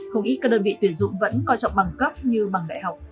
không ít các đơn vị tuyển dụng vẫn coi trọng bằng cấp như bằng đại học